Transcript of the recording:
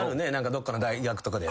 どっかの大学とかで。